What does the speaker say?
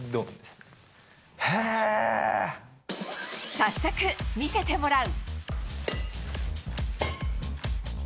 早速、見せてもらう。